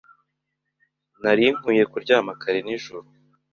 Nari nkwiye kuryama kare nijoro.